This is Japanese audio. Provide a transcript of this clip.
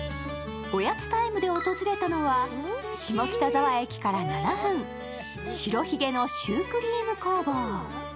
おやつタイムで訪れたのは下北沢駅から７分、白髭のシュークリーム工房。